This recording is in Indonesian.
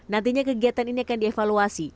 nantinya kegiatan ini akan dievaluasi